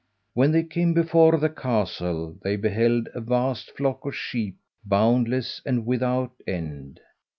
When they came before the castle they beheld a vast flock of sheep, boundless and without end.